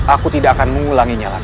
aku tidak akan mengulanginya lagi